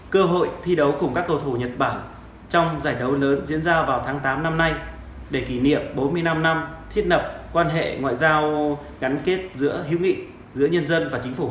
cơ hội thi đấu cùng các cầu thủ nhật bản trong giải đấu lớn diễn ra vào tháng tám năm